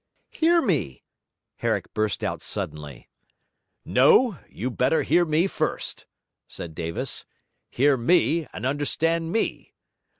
'Hear me!' Herrick burst out suddenly. 'No, you better hear me first,' said Davis. 'Hear me and understand me.